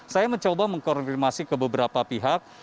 saya mencoba mengkonfirmasi ke beberapa pihak